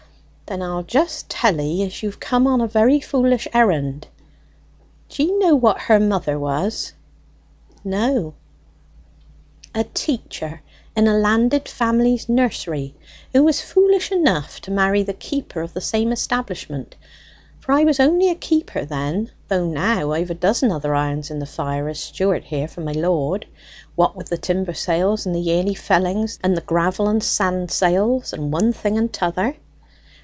"Then I'll just tell 'ee you've come on a very foolish errand. D'ye know what her mother was?" "No." "A teacher in a landed family's nursery, who was foolish enough to marry the keeper of the same establishment; for I was only a keeper then, though now I've a dozen other irons in the fire as steward here for my lord, what with the timber sales and the yearly fellings, and the gravel and sand sales and one thing and 'tother.